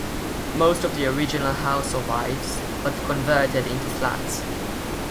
Most of the original house survives, but converted into flats.